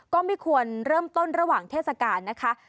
ก็ไม่ควรเริ่มต้นระหว่างเทศกาลนะคะ